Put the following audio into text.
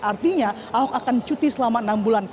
artinya ahok akan cuti selama enam bulan